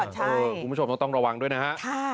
คุณผู้ชมต้องระวังด้วยนะฮะ